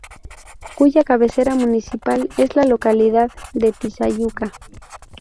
Cuya cabecera municipal es la localidad de Tizayuca.